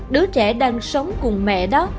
đứa trẻ đang sống cùng mẹ đó